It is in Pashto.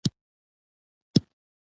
تاسو په ټایپینګ پوهیږئ؟